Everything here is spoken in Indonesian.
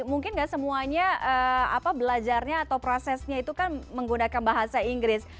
mungkin gak semuanya belajarnya atau prosesnya itu kan menggunakan bahasa inggris